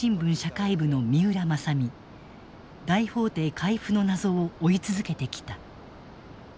大法廷回付の謎を追い続けてきた。